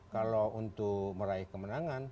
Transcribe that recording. kalau untuk meraih kemenangan